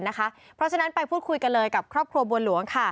นะคะเพราะฉะนั้นไปพูดคุยกันเลยกับครอบครัวบวน